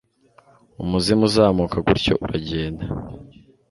umuzimu uzamuka gutyo uragenda